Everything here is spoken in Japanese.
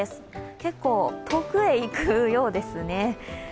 結構遠くへ行くようですね。